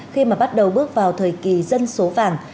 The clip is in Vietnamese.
khi mà bắt đầu bước vào thời kỳ dân số vàng